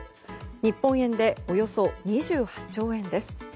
日本円でおよそ２８兆円です。